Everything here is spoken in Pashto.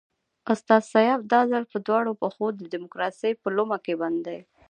استاد سیاف دا ځل په دواړو پښو د ډیموکراسۍ په لومه کې بند دی.